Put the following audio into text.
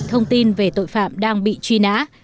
thông tin về tội phạm đang bị truy nã